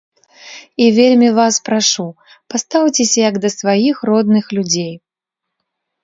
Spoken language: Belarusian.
І вельмі вас прашу, пастаўцеся як да сваіх родных людзей.